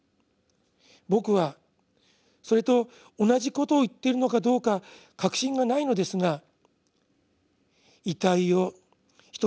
僕はそれと同じことを言っているのかどうか確信がないのですが」。